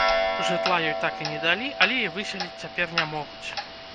Жытла ёй так і не далі, але і выселіць цяпер не могуць.